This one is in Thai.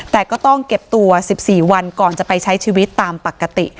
แต่ก็ต้องเก็บตัว๑๔วันก่อนจะไปใช้ชีวิตตามปกติ